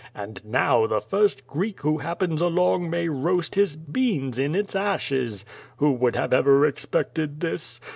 And now the first Greek who happens along may roast his beans in its aslies. Who would have ever expected this?